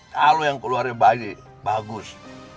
kalau yang keluarnya bayi bagus